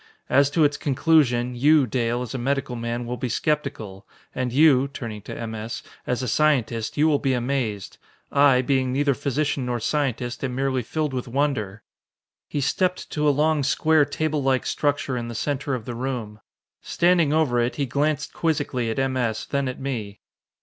"As to its conclusion, you, Dale, as a medical man, will be sceptical. And you" turning to M. S. "as a scientist you will be amazed. I, being neither physician nor scientist, am merely filled with wonder!" He stepped to a long, square table like structure in the center of the room. Standing over it, he glanced quizzically at M. S., then at me.